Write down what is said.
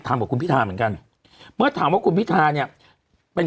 กับคุณพิธาเหมือนกันเมื่อถามว่าคุณพิธาเนี่ยเป็น